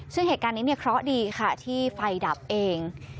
ซึ่งเหตุการณ์นี้เนี่ยเคราะห์ดีค่ะที่ไฟดับเอง